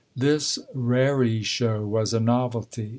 This raree show was a novelty.